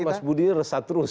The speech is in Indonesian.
ini mas budi resah terus